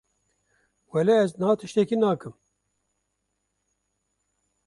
Weleh ez niha tiştekî nakim.